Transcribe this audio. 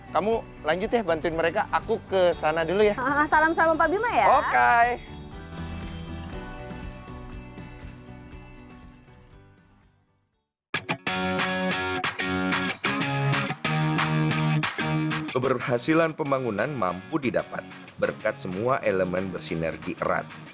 keberhasilan pembangunan mampu didapat berkat semua elemen bersinergi erat